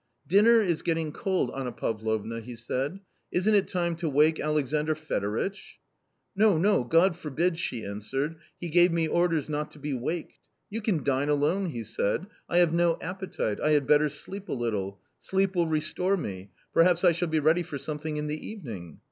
" Dinner is getting cold, Anna Pavlovna," he said ;" isn't it time to wake Alexandr Fedoritch ?"" No, no, God forbid !" she answered, " he gave orders not to be waked. ' You can dine alone,' he said ;' I have no appetite ; I had better sleep a little ; sleep will restore me ; perhaps I shall be ready for something in the even ing.'